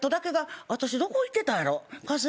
私どこ行ってたんやろ？